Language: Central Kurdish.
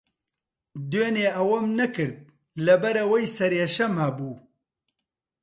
دوێنێ ئەوەم نەکرد، لەبەرەوەی سەرێشەم ھەبوو.